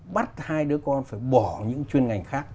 bắt hai đứa con phải bỏ những chuyên ngành khác